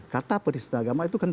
kata penista agama itu kan